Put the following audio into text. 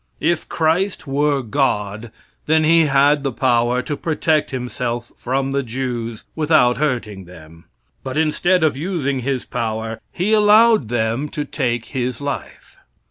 If Christ were God, then he had the power to protect himself from the Jews without hurting them. But instead of using his power he allowed them to take his life.